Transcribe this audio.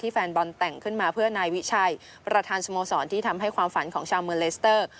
แฟนบอลแต่งขึ้นมาเพื่อนายวิชัยประธานสโมสรที่ทำให้ความฝันของชาวเมืองเลสเตอร์